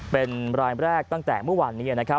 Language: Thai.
เป็นรายละเอกตั้งแต่เมื่อวานนี้